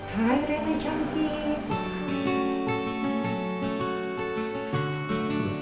hai rena cantik